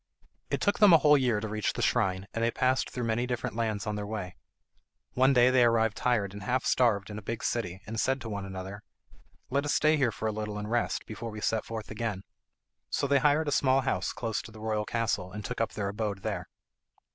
It took them a whole year to reach the shrine, and they passed through many different lands on their way. One day they arrived tired and half starved in a big city, and said to one another, "Let us stay here for a little and rest before we set forth again." So they hired a small house close to the royal castle, and took up their abode there.